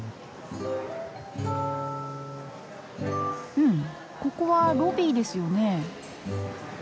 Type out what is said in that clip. うんここはロビーですよね？